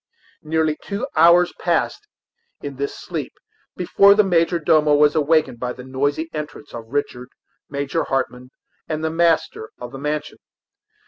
Nearly two hours passed in this sleep before the major domo was awakened by the noisy entrance of Richard, Major Hartmann, and the master of the mansion.